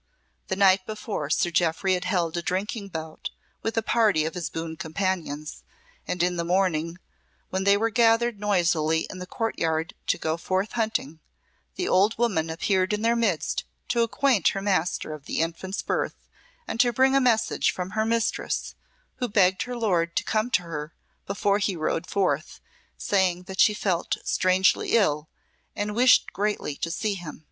The night before Sir Jeoffry had held a drinking bout with a party of his boon companions, and in the morning, when they were gathered noisily in the courtyard to go forth hunting, the old woman appeared in their midst to acquaint her master of the infant's birth and to bring a message from her mistress, who begged her lord to come to her before he rode forth, saying that she felt strangely ill, and wished greatly to see him."